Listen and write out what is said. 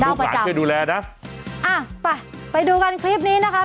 อ้าวลูกหลายเคยดูแลนะด้าวประจำอ่าไปไปดูกันคลิปนี้นะคะ